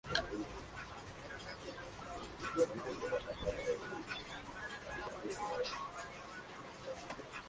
El viejo edificio es hoy la vivienda de la familia Brito.